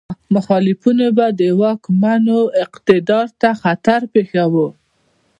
مخالفینو به د واکمنو اقتدار ته خطر پېښاوه.